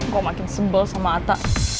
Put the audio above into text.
gue makin sebel sama ata